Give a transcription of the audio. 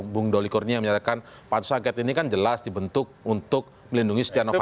bung doli kurnia menyatakan pansus angket ini kan jelas dibentuk untuk melindungi setia novanto